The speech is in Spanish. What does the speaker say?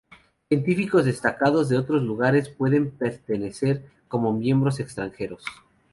Científicos destacados de otros lugares pueden pertenecer como miembros extranjeros.